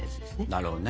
なるほどね。